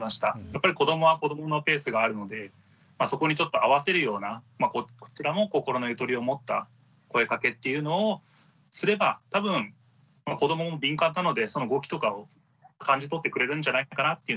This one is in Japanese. やっぱり子どもは子どものペースがあるのでそこにちょっと合わせるようなこちらも心のゆとりを持った声かけっていうのをすれば多分子どもも敏感なのでその動きとかを感じ取ってくれるんじゃないかなっていうのをはい。